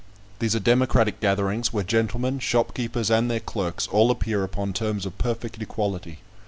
These are democratic gatherings, where gentlemen, shopkeepers, and their clerks, all appear upon terms of perfect equality.